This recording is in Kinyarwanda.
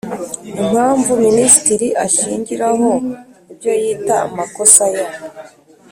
impamvu minisitiri ashingiraho ibyo yita amakosa ya